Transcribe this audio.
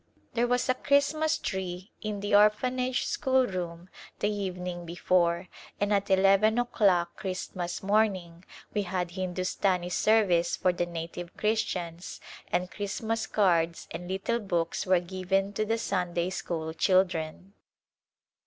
There was a Christmas tree in the Orphanage schoolroom the evening before and at eleven o'clock Christmas morning we had Hindustani service for the native Christians and Christmas cards and little books were given to the Sunday school children.